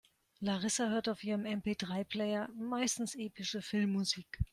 Larissa hört auf ihrem MP-drei-Player meistens epische Filmmusik.